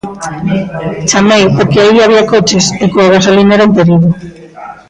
Chamei porque aí había coches e coa gasolina, era un perigo.